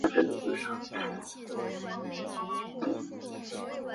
嘉靖十七年授直隶丹徒县知县。